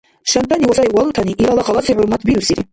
Шантани ва сай валутани илала халаси хӀурмат бирусири.